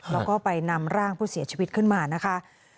แล้วก็ไปนำร่างผู้เสียชีวิตขึ้นมานะคะ